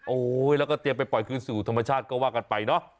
โอ้โหแล้วก็เตรียมไปปล่อยคืนสู่ธรรมชาติก็ว่ากันไปเนอะ